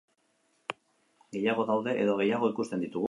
Gehiago daude edo gehiago ikusten ditugu?